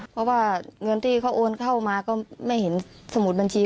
เพราะว่าเงินที่เขาโอนเข้ามาก็ไม่เห็นสมุดบัญชี